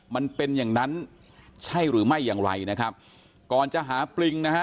มันเป็นอย่างนั้นใช่หรือไม่อย่างไรนะครับก่อนจะหาปริงนะฮะ